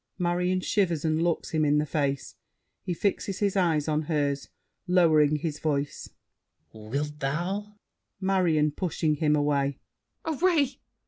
[Marion shivers and looks him in the face; he fixes his eyes on hers: lowering his voice. Wilt thou? MARION (pushing him away). Away!